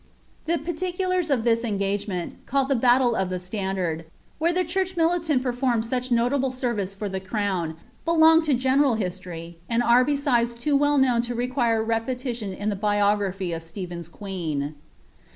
The paniculan dI this engagement, called the battle of the Standard, where the church militant performed such notable service for the crown, belong to getwdl hislor} , and are besides too well known to require repetition in the biograpliv of Stephen^s queen.